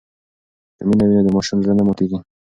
که مینه وي نو د ماشوم زړه نه ماتېږي.